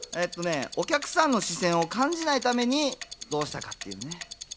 お客さんの視線を感じないためにどうしたか。